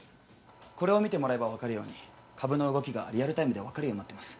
これを見てもらえば分かるように株の動きがリアルタイムで分かるようになってます。